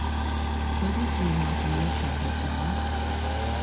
佢啲字幕仲要全粵文